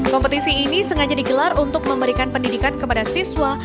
kompetisi ini sengaja digelar untuk memberikan pendidikan kepada siswa